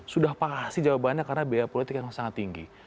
sudah pasti jawabannya karena biaya politik yang sangat tinggi